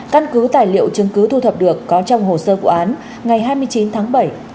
căn cứ tài liệu chứng cứ thu thập được có trong hồ sơ vụ án ngày hai mươi chín tháng bảy